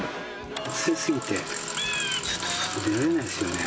暑過ぎてちょっと外出られないですよね。